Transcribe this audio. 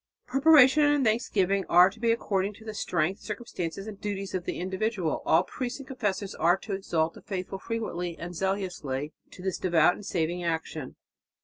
Preparation and thanksgiving are to be according to the strength, circumstances and duties of the individual. All priests and confessors are to exhort the faithful frequently and zealously to "this devout and saving action."